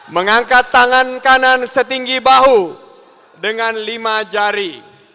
mengangkat tangan kanan setinggi bahu dengan lima jari